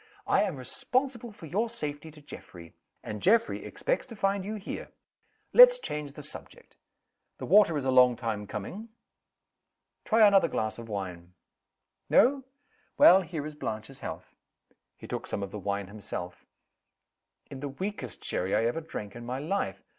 I am responsible for your safety to Geoffrey; and Geoffrey expects to find you here. Let's change the subject. The water is a long time coming. Try another glass of wine. No? Well here is Blanche's health" (he took some of the wine himself), "in the weakest sherry I ever drank in my life."